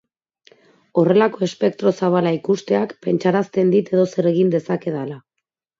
Horrelako espektro zabala ikusteak pentsarazten dit edozer egin dezakedala.